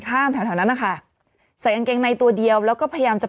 แถวแถวนั้นนะคะใส่กางเกงในตัวเดียวแล้วก็พยายามจะ